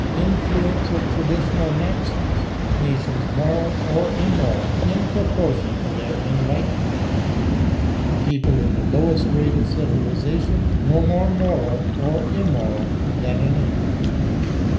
Influence of traditional maxims. Nations moral or immoral in proportion to their enlight enment. A people in the lowest grade of civili zation no more moral or immoral than an infant.